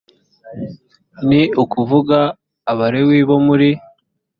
ni ukuvuga abalewi bo muri